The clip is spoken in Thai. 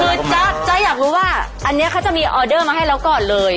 คือจ๊ะอยากรู้ว่าอันนี้เขาจะมีออเดอร์มาให้เราก่อนเลย